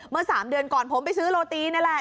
เมื่อสามเดือนก่อนผมไปซื้อโรตีนี่แหละ